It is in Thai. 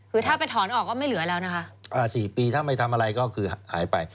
คือถ้าไปถอนออกก็ไม่เหลือแล้วนะคะ๔ปีถ้าไม่ทำอะไรก็คือหายไป